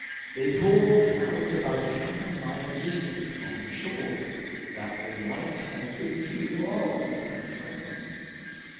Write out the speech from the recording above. They pulled out about half a mile distant from the shore, that they might have a good view of Mount Franklin.